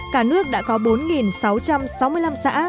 cả nước đã có bốn sáu trăm sáu mươi năm xã